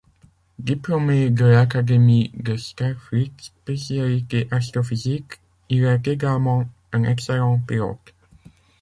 Diplômé de l'académie de Starfleet, spécialité astrophysique, il est également un excellent pilote.